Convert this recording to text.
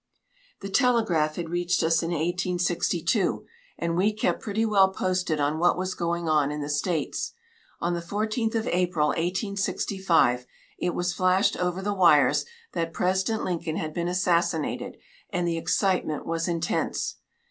The telegraph had reached us in 1862, and we kept pretty well posted on what was going on in the States. On the 14th of April, 1865, it was flashed over the wires that President Lincoln had been assassinated, and the excitement was intense.